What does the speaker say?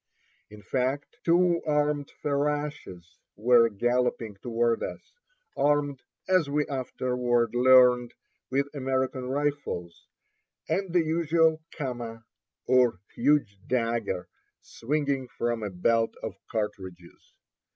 In fact, two armed ferashes were galloping toward us, armed, as we afterward learned, with American rifles, and the usual kamma, or huge dagger, swinging from a belt of cartridges.